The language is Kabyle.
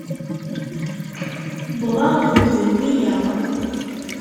Wwḍeɣ-d uqbel wiyaḍ.